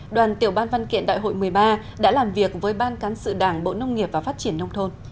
đoàn tiểu ban văn kiện đại hội một mươi ba đã làm việc với ban cán sự đảng bộ nông nghiệp và phát triển nông thôn